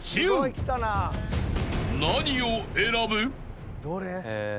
［何を選ぶ？］